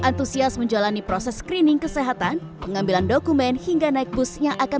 antusias menjalani proses screening kesehatan pengambilan dokumen hingga naik bus yang akan